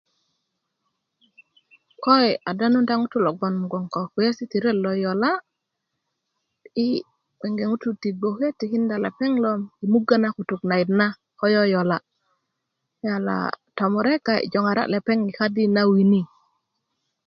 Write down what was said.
ko yi a denunda ŋutu lo gboŋ ko kpiyesi' ti ret lo yola' yi gbenge ŋutuu ti gboke tikinda lepeŋ lo i mugö na kutuk nayit na ko lepeŋ lo yoyola' yala tomuerk a yi joŋara lepeŋ i kadi na wini